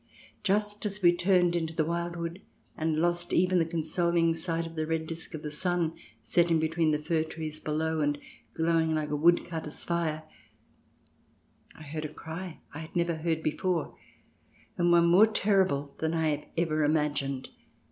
... Just as we turned into the wild wood, and lost even the consoling sight of the red disc of the sun setting between the fir trees below and glowing like a woodcutter's fire, I heard a cry I had never heard before, and one more terrible than I have ever imagined.